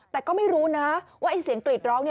แต่ก็ไม่รู้นะว่าเสียงกรีดร้อง